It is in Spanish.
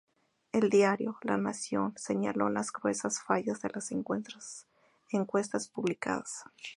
El diario "La Nación" señaló las gruesas fallas de las encuestas publicadas.